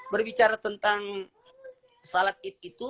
berbicara tentang salat itu